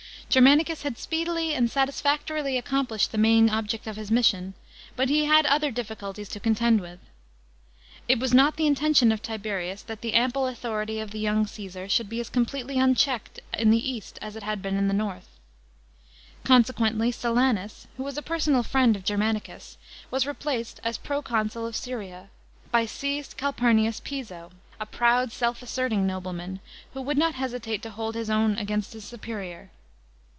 § 12. Germanicns had speedily and satisfactorily accomplished the main object of his mission, but he had other difficulties to contend with. It was not the intention of Tiberius that the ample authority of the young Csesar should be as completely unchecked in the east as it had been in the north. Consequently Si I anus, who was a personal friend of Germanicus, was replaced as proconsul of Syria hy Cn. Calpurnius Piso, a proud, self asserting nobleman, who would not hesitate to hold his own against his superior.